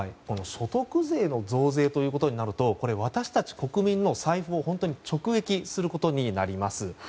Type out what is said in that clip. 所得税の増税ということになると私たち国民の財布を本当に直撃することになります。